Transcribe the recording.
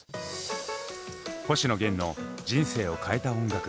星野源の人生を変えた音楽。